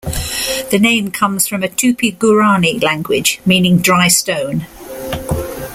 The name comes from a Tupi-Guarani language, meaning "dry stone".